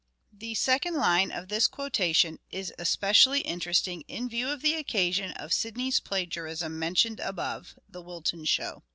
The second line of this quotation is especially in teresting in view of the occasion of Sidney's plagiarism mentioned above (The Wilton Show).